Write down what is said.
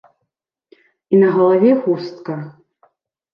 І на галаве хустка.